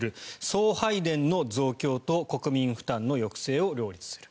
送配電の増強と国民負担の抑制を両立する。